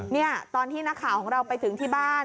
นี่ตอนที่นักข่าวของเราไปถึงที่บ้าน